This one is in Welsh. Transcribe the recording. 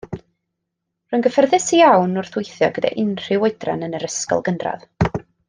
Rwy'n gyfforddus iawn wrth weithio gydag unrhyw oedran yn yr ysgol gynradd.